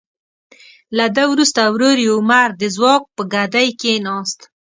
له ده وروسته ورور یې عمر د ځواک په ګدۍ کیناست.